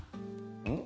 うん？